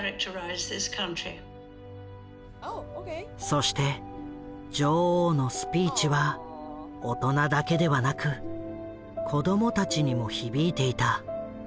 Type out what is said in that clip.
そして女王のスピーチは大人だけではなく子どもたちにも響いていた。